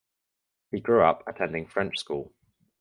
He grew up attending French school.